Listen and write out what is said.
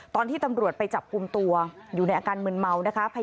ตอนที่ตำรวจไปจับกลุ่มตัวอยู่ในอาการมืนเมานะคะ